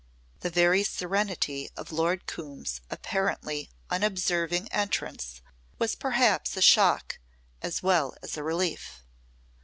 The very serenity of Lord Coombe's apparently unobserving entrance was perhaps a shock as well as a relief.